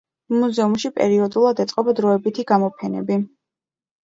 მუზეუმში პერიოდულად ეწყობა დროებითი გამოფენები.